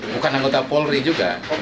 bukan anggota polri juga